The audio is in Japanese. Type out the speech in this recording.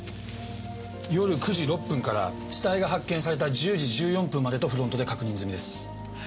夜９時６分から死体が発見された１０時１４分までとフロントで確認済みです。